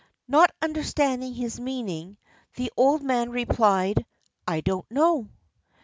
Not understanding his meaning, the old man replied: "I don't know."